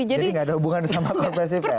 jadi nggak ada hubungan sama komprensi pers